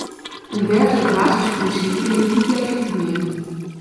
Een dergelijk basisprincipe wil ik niet legitimeren.